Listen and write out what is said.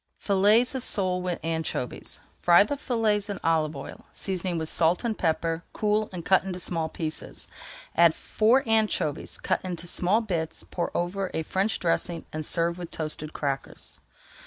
FILLETS OF SOLE WITH ANCHOVIES Fry the fillets in olive oil, seasoning with salt and pepper, cool, and cut into small pieces. Add four anchovies cut into small bits, pour over a French dressing and serve with toasted crackers.